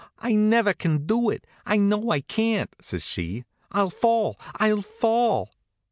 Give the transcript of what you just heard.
"I never can do it, I know I can't!" says she. "I'll fall, I'll fall!"